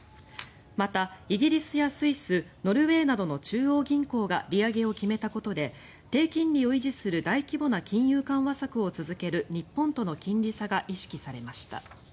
また、イギリスやスイスノルウェーなどの中央銀行が利上げを決めたことで低金利を維持する大規模な金融緩和策を続ける日本との金利差が意識されました。